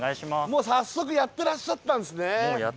もう早速やってらっしゃったんですね。